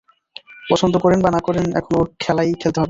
পছন্দ করেন বা না করেন, এখন ওর খেলাই খেলতে হবে।